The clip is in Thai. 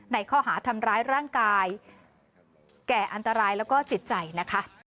ในข้อหาทำร้ายร่างกายแก่อันตรายแล้วก็จิตใจนะคะ